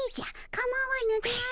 かまわぬであろう。